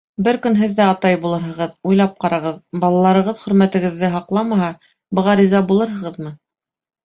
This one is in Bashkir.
Бер көн һеҙ ҙә атай булырһығыҙ, уйлап ҡарағыҙ, балаларығыҙ хөрмәтегеҙҙе һаҡламаһа, быға риза булырһығыҙмы?